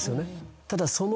ただその。